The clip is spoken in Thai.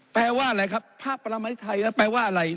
แปลว่าอะไรครับพระประมาธิไตรแปลว่าอะไร